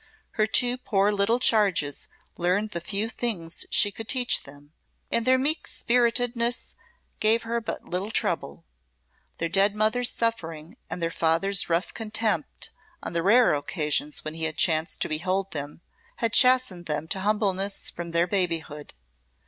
Her two poor little charges learned the few things she could teach them, and their meek spiritedness gave her but little trouble. Their dead mother's suffering and their father's rough contempt on the rare occasions when he had chanced to behold them had chastened them to humbleness from their babyhood.